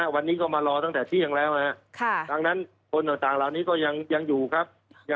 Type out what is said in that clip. วันนี้ก็มารอตั้งแต่เที่ยงแล้วดังนั้นคนต่างเหล่านี้ก็ยังอยู่ครับ